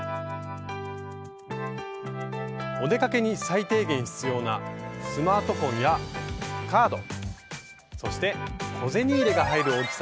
お出かけに最低限必要なスマートフォンやカードそして小銭入れが入る大きさ。